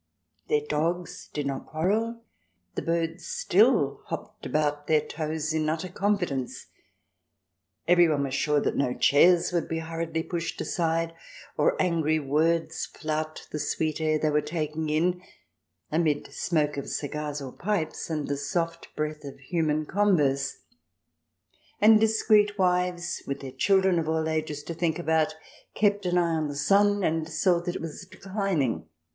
Their dogs did not quarrel, the birds still hopped about their toes in utter confidence ; every one was sure that no chairs would be hurriedly pushed aside or angry words flout the sweet air they were taking in, amid smoke of cigars or pipes, and the soft breath of human converse. And dis creet wives, with their children of all ages to think about, kept an eye on the sun and saw that it was declining.